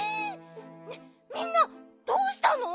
みんなどうしたの！？